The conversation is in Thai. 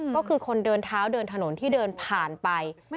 ก็คือคนเดินเท้าเดินถนนที่เดินผ่านไป